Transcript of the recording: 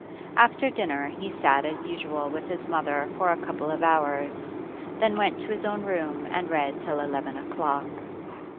After dinner he sat as usual with his mother for a couple of hours, then went to his own room and read till eleven o'clock.